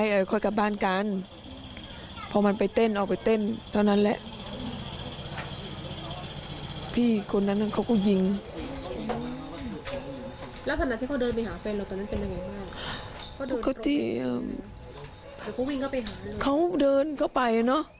เดินเข้าไปปกติไง